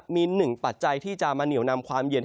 มีหนึ่งปัจจัยที่จะมาเหนียวนำความเย็น